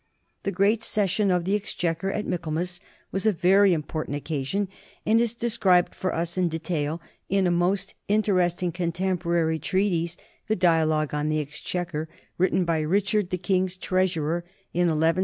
The great session of the exchequer at Michaelmas was a very important occasion and is described for us in detail in a most interesting contemporary treatise, the Dialogue on the Exchequer, written by Richard the King's Treasurer, in 1178 79.